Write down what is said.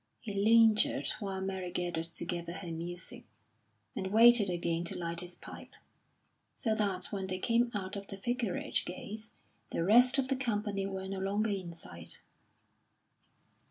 He lingered while Mary gathered together her music, and waited again to light his pipe, so that when they came out of the Vicarage gates the rest of the company were no longer in sight.